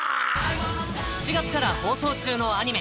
７月から放送中のアニメ